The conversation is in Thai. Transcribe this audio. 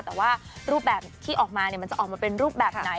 แต่ว่ารูปแบบที่ออกมามันจะออกมาเป็นรูปแบบไหน